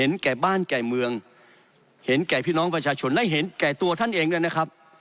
แก่บ้านแก่เมืองเห็นแก่พี่น้องประชาชนและเห็นแก่ตัวท่านเองด้วยนะครับ